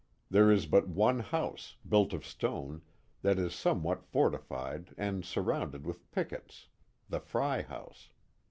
There is but one house, built of stone, that is somewhat forti fied and surrounded with pickets (the Frey house).